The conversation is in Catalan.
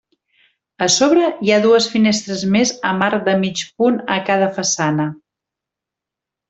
A sobre hi ha dues finestres més amb arc de mig punt a cada façana.